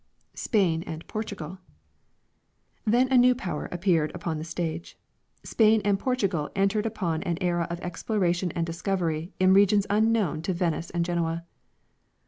Spain and Portug<d. Then a new power appeared ujjon the stage. Spain and Por tugal entered upon an era of exploration and discovery in regions unknown to Venice and Genoa.